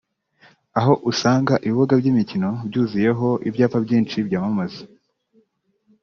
aho usanga ibibuga by’imikino byuzuyeho ibyapa byinshi byamamaza